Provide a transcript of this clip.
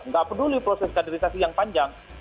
nggak peduli proses kaderisasi yang panjang